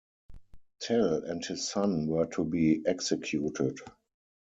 Tell and his son were to be executed.